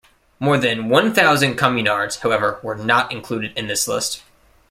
More than one thousand Communards, however, were not included in this list.